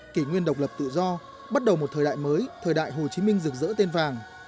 kỷ nguyên độc lập tự do bắt đầu một thời đại mới thời đại hồ chí minh rực rỡ tên vàng